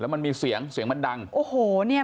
ไม่มีใครรู้ว่าจังหวะนั้นเกิดอะไรขึ้น